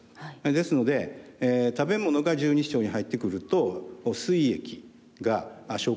ですので食べ物が十二指腸に入ってくるとすい液が消化